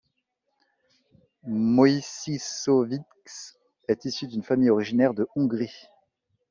Moïssissovics est issu d'une famille originaire de Hongrie.